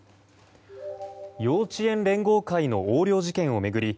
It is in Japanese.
幼稚園連合会の横領事件を巡り